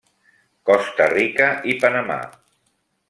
Costa Rica i Panamà.